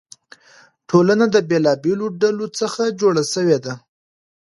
ټولنه د بېلابېلو ډلو څخه جوړه سوې ده.